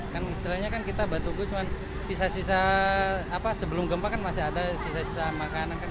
kan istilahnya kan kita batuku cuma sisa sisa sebelum gempa kan masih ada sisa sisa makanan kan